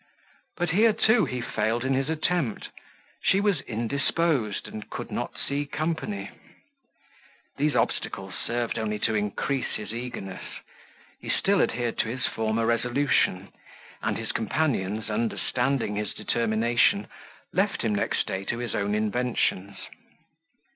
But here too he failed in his attempt: she was indisposed, and could not see company. These obstacles served only to increase his eagerness: he still adhered to his former resolution; and his companions, understanding his determination, left him next day to his own inventions.